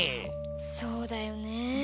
そうだよねえ。